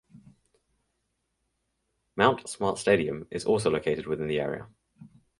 Mt Smart Stadium is also located within the area.